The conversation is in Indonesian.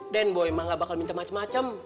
den boy emang gak bakal minta macem macem